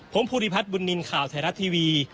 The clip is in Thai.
ผมภูริพัฒน์บุญนินทร์ข่าวไทยรัฐทีวี